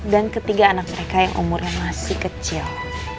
dan ketiga anak mereka yang umurnya masih kecil